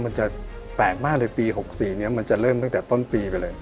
มันจะแปลกมากเลยปี๖๔นี้มันจะเริ่มตั้งแต่ต้นปีไปเลย